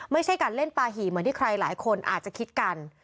ไม่ใช่การเล่นปลาหี่เหมือนที่ใครหลายคนอาจจะคิดกัน